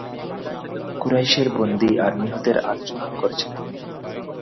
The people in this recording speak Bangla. কুরাইশের বন্দী আর নিহতদের আলোচনা করছিলেন।